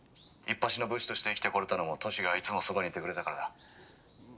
いっぱしの武士として生きてこれたのも歳がいつもそばにいてくれたからだ」。